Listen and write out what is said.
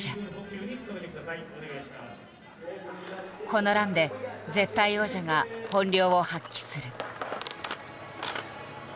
このランで絶対王者が本領を発揮する。